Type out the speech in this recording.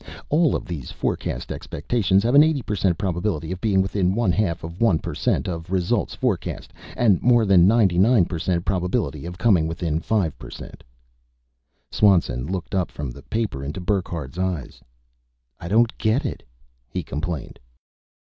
All of these forecast expectations have an 80% probability of being within one half of one per cent of results forecast, and more than 99% probability of coming within 5%. Swanson looked up from the paper into Burckhardt's eyes. "I don't get it," he complained.